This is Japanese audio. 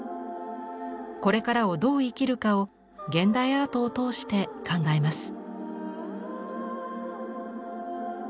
これからをどう生きるかを現代アートを通して考えます。